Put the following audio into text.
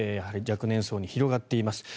若年層に広がっています。